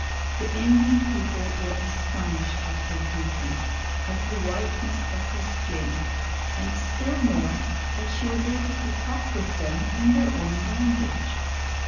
The Indian people were astonished at her beauty, at the whiteness of her skin, and still more, that she was able to talk with them in their own language.